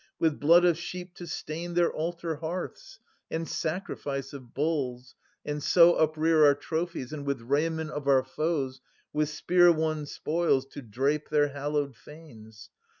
With blood of sheep to stain their altar hearths, And sacrifice of bulls, and so uprear Our trophies, and with raiment of our foes. With spear won spoils, to drape their hallowed fanes.